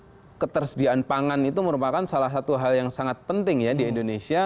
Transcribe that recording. jadi ketersediaan pangan itu merupakan salah satu hal yang sangat penting ya di indonesia